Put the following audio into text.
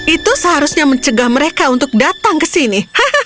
itu seharusnya mencegah mereka untuk datang ke sini